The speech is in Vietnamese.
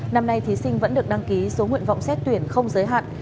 năm nay thí sinh vẫn được đăng ký số nguyện vọng xét tuyển không giới hạn